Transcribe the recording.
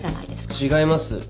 違います。